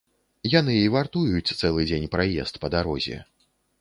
Яны і вартуюць цэлы дзень праезд па дарозе.